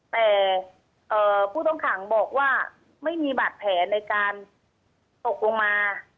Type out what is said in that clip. แต่ผู้ต้องขังบอกว่าไม่มีบาดแผลในการตกลงมา